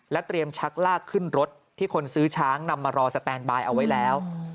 เตรียมชักลากขึ้นรถที่คนซื้อช้างนำมารอสแตนบายเอาไว้แล้ว